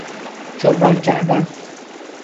جبران کردن